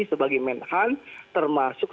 sebagai menhan termasuk